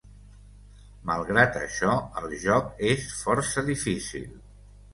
Malgrat això, el joc és força difícil.